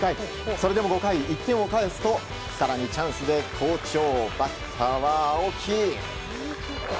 それでも５回、１点を返すと更にチャンスで好調、バッターは青木。